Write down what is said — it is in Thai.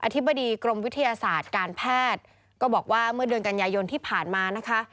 ธิบดีกรมวิทยาศาสตร์การแพทย์ก็บอกว่าเมื่อเดือนกันยายนที่ผ่านมานะคะ